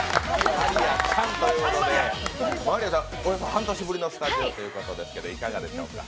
半年ぶりのスタジオということですけどいかがでしょうか。